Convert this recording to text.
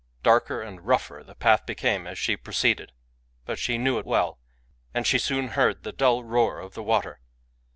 Darker and rougher the path became as she proceeded ; but she knew it well, and she soon heard the dull roar of the water.